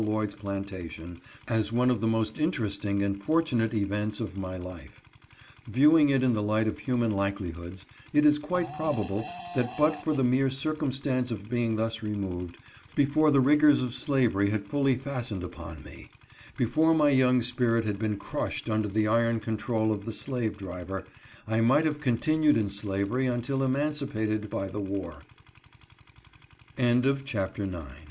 Lloyd's plantation as one of the most interesting and for tunate events of my life. Viewing it in the light of hu man likelihoods, it is quite probable that but for the mere circumstance of being thus removed, before the rigors of slavery had fully fastened upon me ; before my young spirit had been crushed under the iron control of the slave driver; I might have continued in slavery u